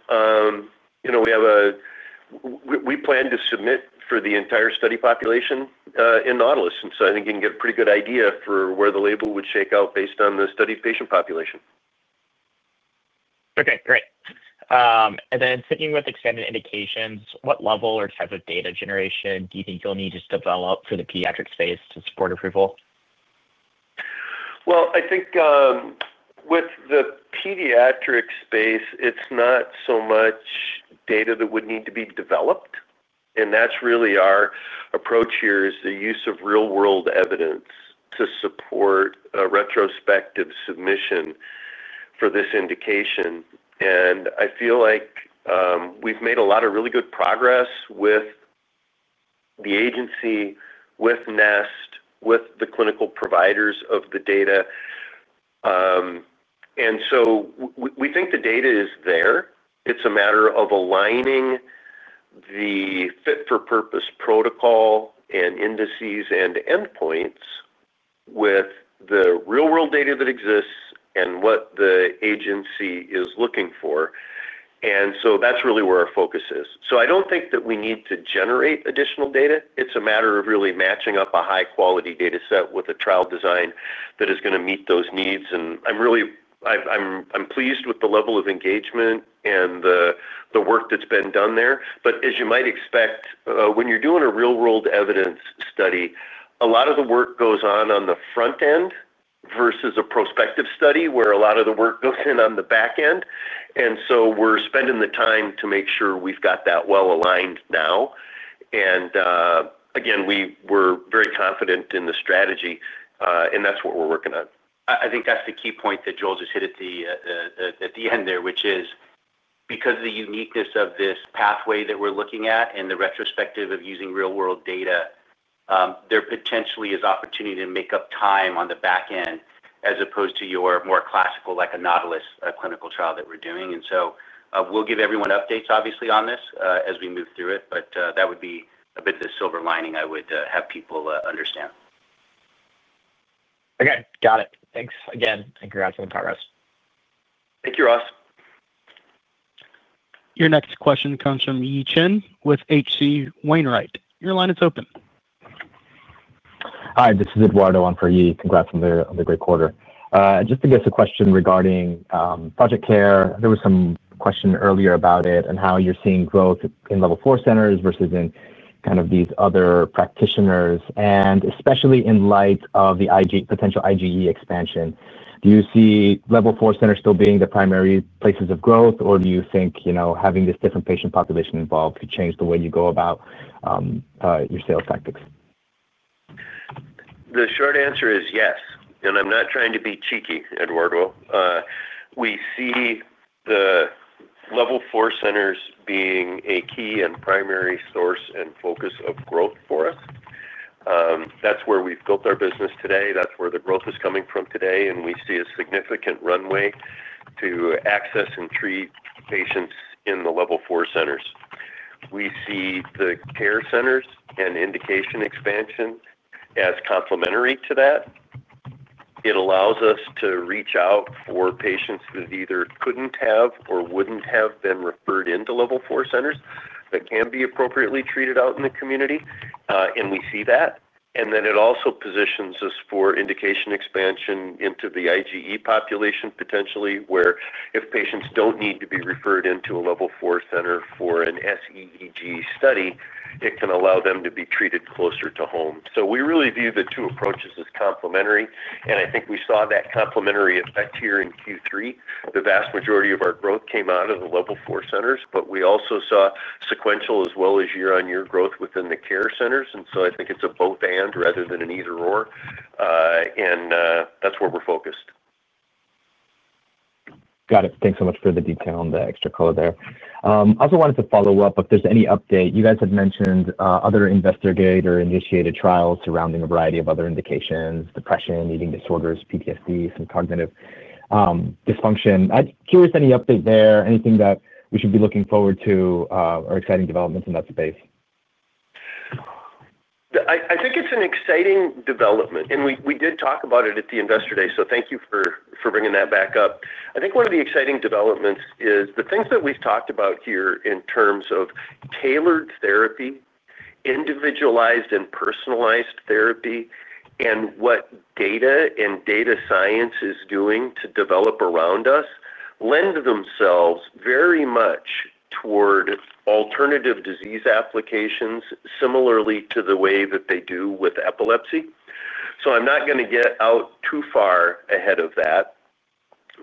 we plan to submit for the entire study population in NAUTILUS. And so I think you can get a pretty good idea for where the label would shake out based on the study patient population. Okay. Great. And then thinking with expanded indications, what level or type of data generation do you think you'll need to develop for the pediatric space to support approval? Well, I think with the pediatric space, it's not so much data that would need to be developed. And that's really our approach here is the use of real-world evidence to support a retrospective submission for this indication. And I feel like we've made a lot of really good progress with the agency, with FDA, with the clinical providers of the data. And so we think the data is there. It's a matter of aligning the fit-for-purpose protocol and indices and endpoints with the real-world data that exists and what the agency is looking for. And so that's really where our focus is. So I don't think that we need to generate additional data. It's a matter of really matching up a high-quality data set with a trial design that is going to meet those needs. And I'm really. Pleased with the level of engagement and the work that's been done there. But as you might expect, when you're doing a real-world evidence study, a lot of the work goes on on the front end versus a prospective study where a lot of the work goes in on the back end. And so we're spending the time to make sure we've got that well aligned now. And again, we're very confident in the strategy, and that's what we're working on. I think that's the key point that Joel just hit at the end there, which is because of the uniqueness of this pathway that we're looking at and the retrospective of using real-world data, there potentially is opportunity to make up time on the back end as opposed to your more classical, like a NAUTILUS clinical trial that we're doing. And so we'll give everyone updates, obviously, on this as we move through it. But that would be a bit of the silver lining I would have people understand. Okay. Got it. Thanks again. And congrats on the progress. Thank you, Ross. Your next question comes from Yi Chen with H.C. Wainwright. Your line is open. Hi. This is Eduardo on for Yi. Congrats on the great quarter. Just a question regarding Project CARE, there was some question earlier about it and how you're seeing growth in level four centers versus in kind of these other practitioners, and especially in light of the potential IGE expansion. Do you see level four centers still being the primary places of growth, or do you think having this different patient population involved could change the way you go about your sales tactics? The short answer is yes. And I'm not trying to be cheeky, Eduardo. We see the level four centers being a key and primary source and focus of growth for us. That's where we've built our business today. That's where the growth is coming from today. And we see a significant runway to access and treat patients in the level four centers. We see the care centers and indication expansion as complementary to that. It allows us to reach out for patients that either couldn't have or wouldn't have been referred into level four centers that can be appropriately treated out in the community. And we see that. And then it also positions us for indication expansion into the IGE population potentially, where if patients don't need to be referred into a level four center for an SEEG study, it can allow them to be treated closer to home. So we really view the two approaches as complementary. And I think we saw that complementary effect here in Q3. The vast majority of our growth came out of the level four centers, but we also saw sequential as well as year-on-year growth within the care centers. And so I think it's a both-and rather than an either-or. And that's where we're focused. Got it. Thanks so much for the detail on the extra color there. I also wanted to follow up if there's any update. You guys had mentioned other investigator-initiated trials surrounding a variety of other indications: depression, eating disorders, PTSD, some cognitive dysfunction. I'm curious any update there, anything that we should be looking forward to or exciting developments in that space. I think it's an exciting development. And we did talk about it at the investor day, so thank you for bringing that back up. I think one of the exciting developments is the things that we've talked about here in terms of tailored therapy. Individualized and personalized therapy, and what data and data science is doing to develop around us lend themselves very much toward alternative disease applications similarly to the way that they do with epilepsy. So I'm not going to get out too far ahead of that.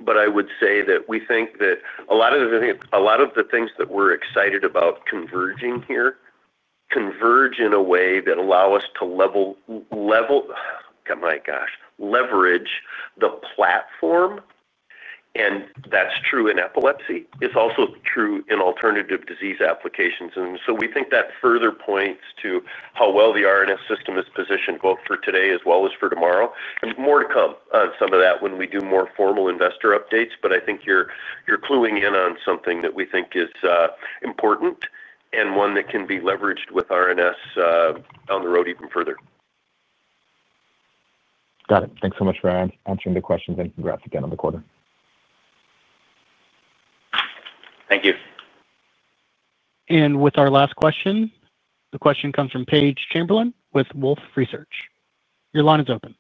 But I would say that we think that a lot of the things that we're excited about converging here in a way that allow us to leverage the platform. And that's true in epilepsy. It's also true in alternative disease applications. And so we think that further points to how well the RNS System is positioned both for today as well as for tomorrow. And more to come on some of that when we do more formal investor updates. But I think you're cluing in on something that we think is important and one that can be leveraged with RNS. On the road even further. Got it. Thanks so much for answering the questions. And congrats again on the quarter. Thank you. And with our last question, the question comes from Paige Chamberlain with Wolfe Research. Your line is open.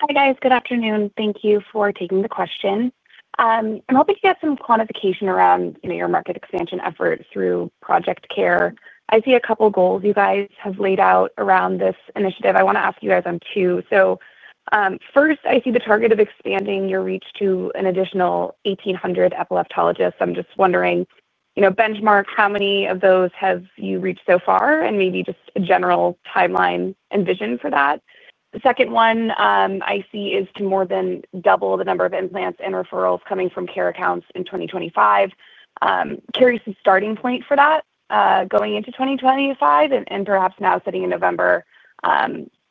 Hi, guys. Good afternoon. Thank you for taking the question. I'm hoping to get some quantification around your market expansion efforts through Project CARE. I see a couple of goals you guys have laid out around this initiative. I want to ask you guys on two. So first, I see the target of expanding your reach to an additional 1,800 epileptologists. I'm just wondering, benchmark, how many of those have you reached so far and maybe just a general timeline and vision for that? The second one I see is to more than double the number of implants and referrals coming from CARE accounts in 2025. Curious the starting point for that going into 2025 and perhaps now sitting in November,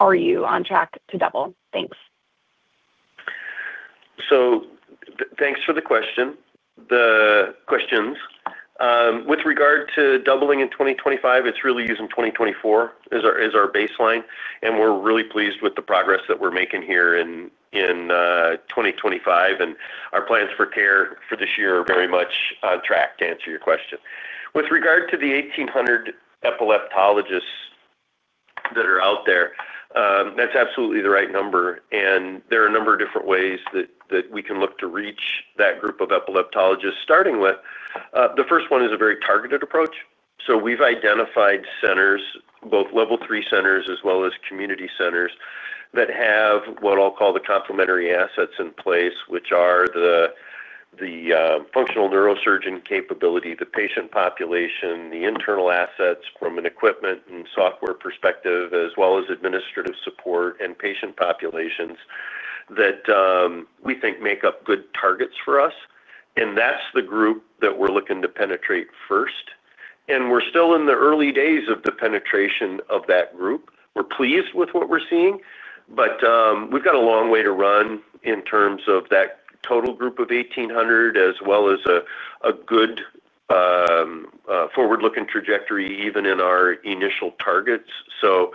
are you on track to double? Thanks. So thanks for the question. With regard to doubling in 2025, it's really using 2024 as our baseline. And we're really pleased with the progress that we're making here in 2025. And our plans for CARE for this year are very much on track to answer your question. With regard to the 1,800 epileptologists that are out there, that's absolutely the right number. There are a number of different ways that we can look to reach that group of epileptologists, starting with the first one is a very targeted approach. So we've identified centers, both level three centers as well as community centers, that have what I'll call the complementary assets in place, which are the functional neurosurgeon capability, the patient population, the internal assets from an equipment and software perspective, as well as administrative support and patient populations that we think make up good targets for us. And that's the group that we're looking to penetrate first. And we're still in the early days of the penetration of that group. We're pleased with what we're seeing, but we've got a long way to run in terms of that total group of 1,800 as well as a good forward-looking trajectory even in our initial targets. So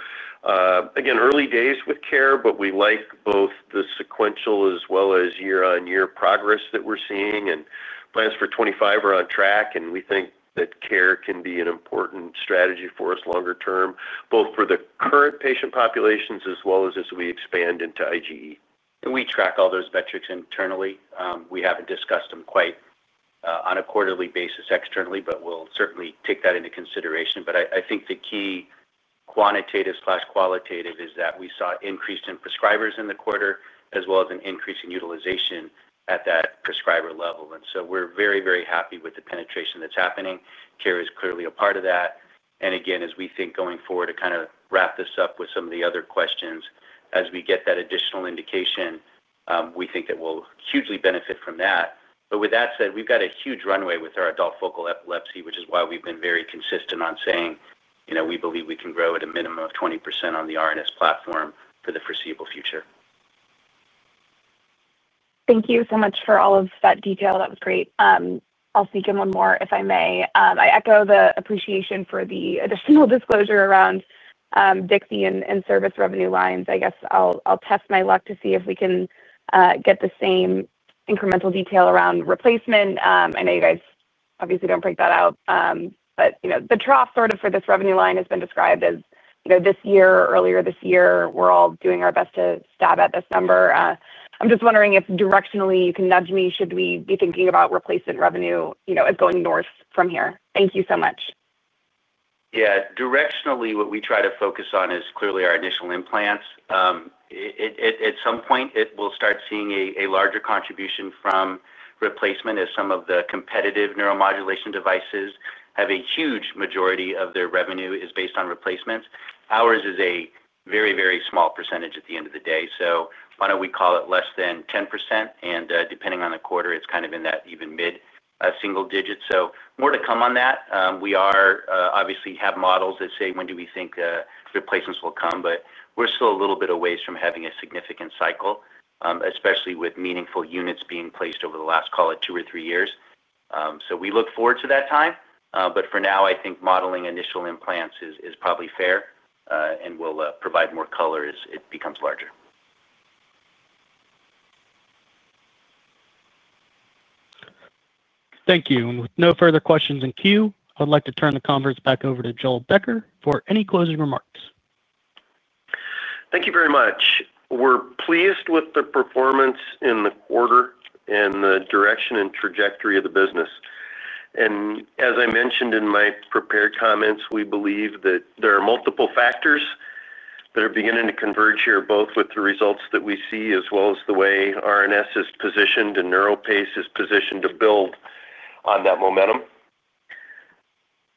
again, early days with care, but we like both the sequential as well as year-on-year progress that we're seeing. And plans for 2025 are on track. And we think that care can be an important strategy for us longer term, both for the current patient populations as well as as we expand into IGE. And we track all those metrics internally. We haven't discussed them quite on a quarterly basis externally, but we'll certainly take that into consideration. But I think the key quantitative/qualitative is that we saw an increase in prescribers in the quarter as well as an increase in utilization at that prescriber level. And so we're very, very happy with the penetration that's happening. Care is clearly a part of that. And again, as we think going forward to kind of wrap this up with some of the other questions, as we get that additional indication, we think that we'll hugely benefit from that. But with that said, we've got a huge runway with our adult focal epilepsy, which is why we've been very consistent on saying we believe we can grow at a minimum of 20% on the RNS platform for the foreseeable future. Thank you so much for all of that detail. That was great. I'll sneak in one more if I may. I echo the appreciation for the additional disclosure around DIXI and service revenue lines. I guess I'll test my luck to see if we can get the same incremental detail around replacement. I know you guys obviously don't break that out, but the trough sort of for this revenue line has been described as this year or earlier this year. We're all doing our best to stab at this number. I'm just wondering if directionally you can nudge me. Should we be thinking about replacement revenue as going north from here? Thank you so much. Yeah. Directionally, what we try to focus on is clearly our initial implants. At some point, we'll start seeing a larger contribution from replacement as some of the competitive neuromodulation devices have a huge majority of their revenue is based on replacements. Ours is a very, very small percentage at the end of the day. So why don't we call it less than 10%? And depending on the quarter, it's kind of in that even mid-single digit. So more to come on that. We obviously have models that say when do we think replacements will come, but we're still a little bit away from having a significant cycle, especially with meaningful units being placed over the last, call it, two or three years. So we look forward to that time. But for now, I think modeling initial implants is probably fair, and we'll provide more color as it becomes larger. Thank you. And with no further questions in queue, I'd like to turn the conference back over to Joel Becker for any closing remarks. Thank you very much. We're pleased with the performance in the quarter and the direction and trajectory of the business. And as I mentioned in my prepared comments, we believe that there are multiple factors that are beginning to converge here, both with the results that we see as well as the way RNS is positioned and NeuroPace is positioned to build on that momentum.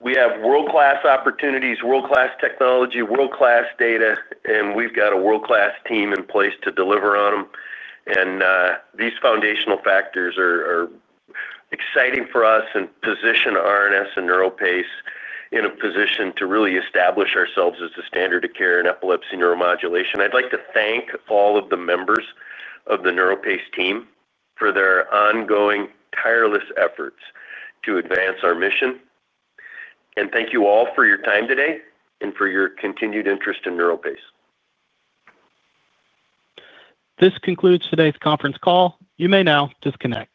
We have world-class opportunities, world-class technology, world-class data, and we've got a world-class team in place to deliver on them. And these foundational factors are exciting for us and position RNS and NeuroPace in a position to really establish ourselves as a standard of care in epilepsy neuromodulation. I'd like to thank all of the members of the NeuroPace team for their ongoing tireless efforts to advance our mission. And thank you all for your time today and for your continued interest in NeuroPace. This concludes today's conference call. You may now disconnect.